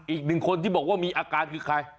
อีกหนึ่งคนที่บอกว่ามีอาการคือใคร